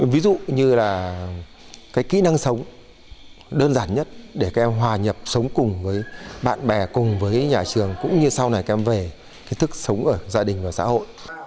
ví dụ như là cái kỹ năng sống đơn giản nhất để các em hòa nhập sống cùng với bạn bè cùng với nhà trường cũng như sau này các em về cái thức sống ở gia đình và xã hội